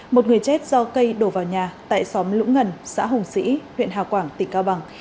một người chết do cây đổ vào nhà tại xóm lũng ngần xã hùng sĩ huyện hào quảng tỉnh cao bằng